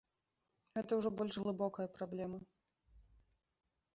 Гэта ўжо больш глыбокая праблема.